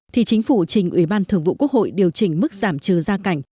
thì chính phủ trình ủy ban thường vụ quốc hội điều chỉnh mức giảm trừ gia cảnh